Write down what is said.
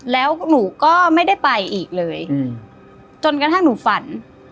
แล้วหนูก็ไม่ได้ไปอีกเลยจนกระทั่งหนูฝัน